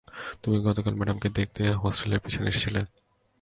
তুমি গতকাল ম্যাডামকে দেখতে হোস্টেলের পিছনে এসেছিলে?